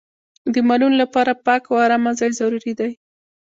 د مالونو لپاره پاک او ارامه ځای ضروري دی.